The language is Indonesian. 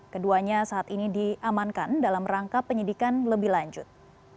keduanya saat ini diamankan dalam rangka penyidikan lebih lanjut